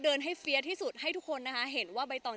เดินให้เฟียที่สุดให้ทุกคนนะคะเห็นว่าใบตอง